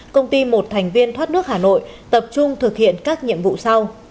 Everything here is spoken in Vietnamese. công ty một thành viên thoát nước hà nội tập trung thực hiện các nhiệm vụ sau